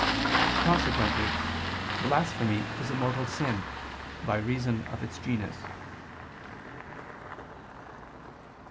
Consequently blasphemy is a mortal sin, by reason of its genus.